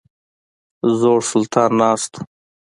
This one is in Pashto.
زوړ سلطان ناست وو.